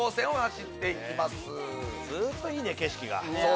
ずっといいね景色が。